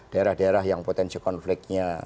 daerah daerah yang potensi konfliknya